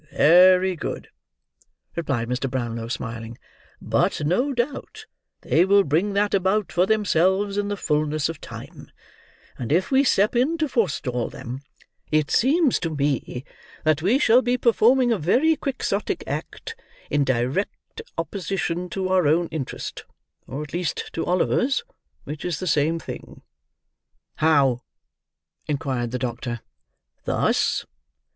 "Very good," replied Mr. Brownlow, smiling; "but no doubt they will bring that about for themselves in the fulness of time, and if we step in to forestall them, it seems to me that we shall be performing a very Quixotic act, in direct opposition to our own interest—or at least to Oliver's, which is the same thing." "How?" inquired the doctor. "Thus.